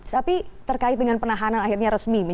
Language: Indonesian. tapi terkait dengan penahanan akhirnya resmi